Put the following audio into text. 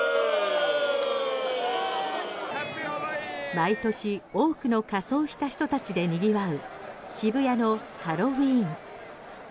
毎年多くの仮装した人たちで賑わう渋谷のハロウィン。